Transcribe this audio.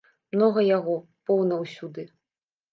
Многа яго, поўна ўсюды!